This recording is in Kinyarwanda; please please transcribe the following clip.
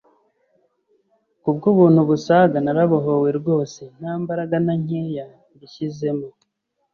Ku bw’ubuntu busaga narabohowe rwose, nta mbaraga na nkeya mbishyizemo.